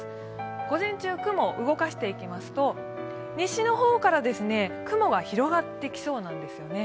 午前中、雲を動かしていきますと、西の方から雲が広がってきそうなんですよね。